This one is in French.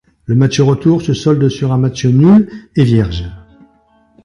Le match retour se solde sur un match nul et vierge.